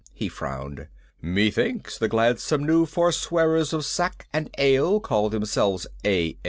he frowned. "Methinks the gladsome new forswearers of sack and ale call themselves AA."